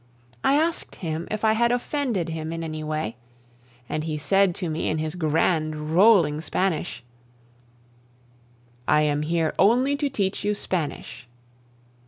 I asked him if I had offended him in any way, and he said to me in his grand, rolling Spanish: "I am here only to teach you Spanish."